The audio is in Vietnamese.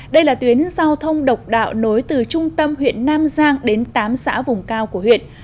đây là tuyến giao thông độc đạo nối từ trung tâm huyện nam giang đến tám xã vùng cao của huyện